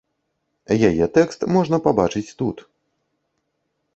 Яе тэкст можна пабачыць тут.